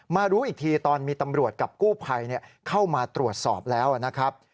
รู้อีกทีตอนมีตำรวจกับกู้ภัยเข้ามาตรวจสอบแล้วนะครับ